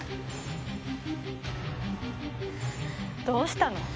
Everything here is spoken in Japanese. どうしたの？